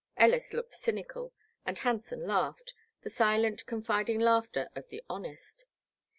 Ellis looked cynical and Hanson laughed, the silent confiding laughter of the honest.